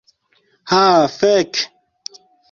Ha, fek.